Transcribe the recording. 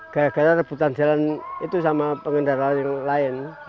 gara gara rebutan jalan itu sama pengendara yang lain